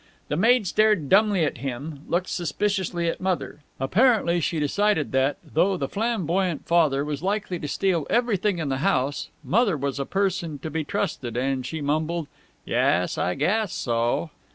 The maid stared dumbly at him, looked suspiciously at Mother. Apparently she decided that, though the flamboyant Father was likely to steal everything in the house, Mother was a person to be trusted, and she mumbled, "Yass, I gass so."